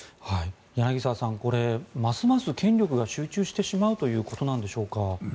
柳澤さん、これますます権力が集中してしまうということなんでしょうか。